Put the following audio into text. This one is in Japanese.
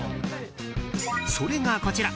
それが、こちら。